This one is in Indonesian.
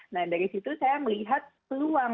nah dari situ saya melihat peluang